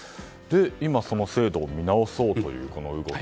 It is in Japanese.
今、その制度を見直そうというこの動き。